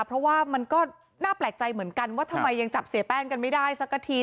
เพราะว่ามันก็น่าแปลกใจเหมือนกันว่าทำไมยังจับเสียแป้งกันไม่ได้สักที